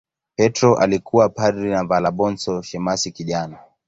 Petro alikuwa padri na Valabonso shemasi kijana.